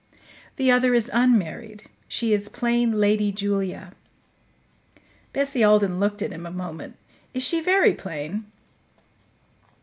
"The other is unmarried; she is plain Lady Julia." Bessie Alden looked at him a moment. "Is she very plain?"